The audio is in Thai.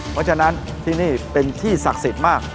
เพราะฉะนั้นที่นี่เป็นที่ศักดิ์สิทธิ์มาก